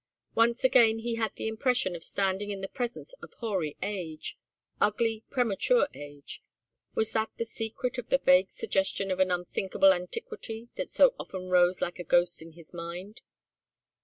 Once again he had the impression of standing in the presence of hoary age ugly premature age was that the secret of the vague suggestion of an unthinkable antiquity that so often rose like a ghost in his mind?